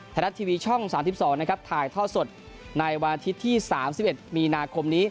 ไทยรัฐทีวีช่อง๓๒นะครับถ่ายท่อสดในวันอาทิตย์ที่๓๑มีนาคมนี้